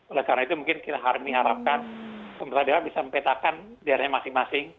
oleh karena itu mungkin kita hari ini harapkan pemerintah daerah bisa mempetakan daerahnya masing masing